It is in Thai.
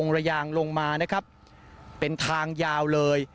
ระยางลงมานะครับเป็นทางยาวเลย